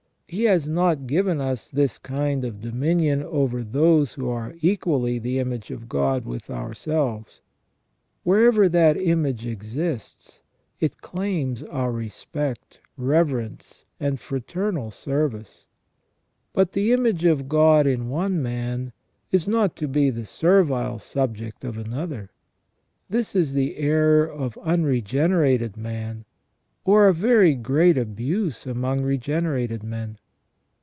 He has not given us this kind of dominion over those who are equally the image of God with ourselves. Wherever that image exists, it claims our respect, reverence, and fraternal service ; but the image of God in one man is not to be the servile subject of another. This is the error of unregenerated man, or a very great abuse among regenerated men.